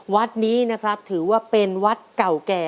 วัดนี้นะครับถือว่าเป็นวัดเก่าแก่